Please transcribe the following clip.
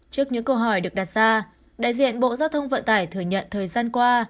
trước những câu hỏi được đặt ra đại diện bộ giao thông vận tải thừa nhận thời gian qua